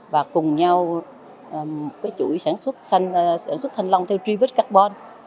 và cùng nhau chuỗi sản xuất thanh long theo tri vết carbon